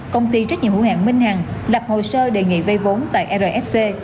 công ty trách nhiệm hữu hạng minh hằng lập hồ sơ đề nghị vây vốn tại rfc